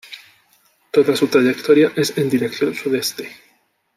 Toda su trayectoria es en dirección sudeste.